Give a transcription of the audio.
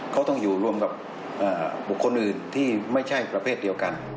เขาต้องอยู่รวมกับบุคคลอื่นที่ไม่ใช่ประเภทเดียวกัน